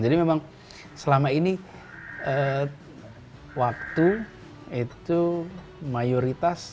jadi memang selama ini waktu itu mayoritas